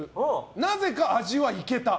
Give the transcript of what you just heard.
なぜか味はイケた。